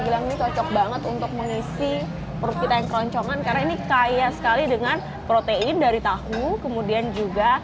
lognya ada sate udang